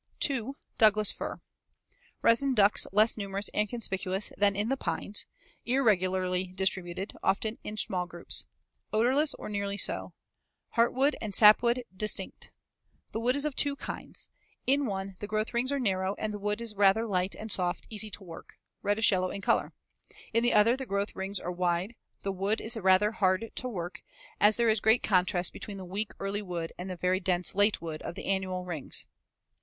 2. Douglas fir. Resin ducts less numerous and conspicuous than in the pines, irregularly distributed, often in small groups. Odorless or nearly so. Heartwood and sapwood distinct. The wood is of two kinds. In one the growth rings are narrow and the wood is rather light and soft, easy to work, reddish yellow in color; in the other the growth rings are wide, the wood is rather hard to work, as there is great contrast between the weak early wood and the very dense late wood of the annual rings.